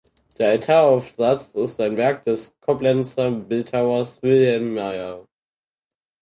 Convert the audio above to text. Der Altaraufsatz ist ein Werk des Koblenzer Bildhauers Wilhelm Mayr.